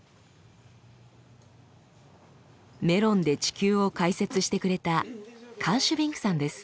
メロンで地球を解説してくれたカーシュビンクさんです。